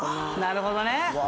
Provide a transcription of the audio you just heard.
なるほどね。